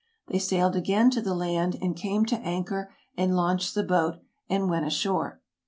They sailed again to the land, and came to anchor, and launched the boat, and went ashore.